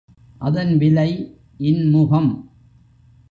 அதன் விலை இன்முகம்.